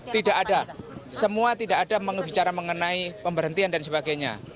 tidak ada semua tidak ada bicara mengenai pemberhentian dan sebagainya